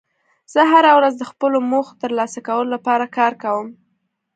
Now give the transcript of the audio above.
زه هره ورځ د خپلو موخو د ترلاسه کولو لپاره کار کوم